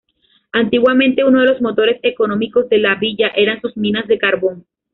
Antiguamente uno de los motores económicos de la villa eran sus minas de carbón.